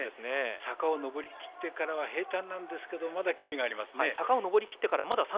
坂を上りきってからは平たんなんですけどまだ距離がありますね。